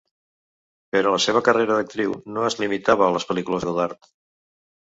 Però la seva carrera d'actriu no es limitava a les pel·lícules de Godard.